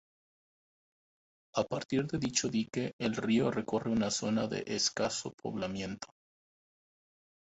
A partir de dicho dique el río recorre una zona de escaso poblamiento.